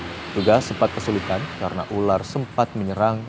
petugas sempat kesulitan karena ular sempat menyerang